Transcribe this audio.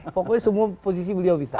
pokoknya semua posisi beliau bisa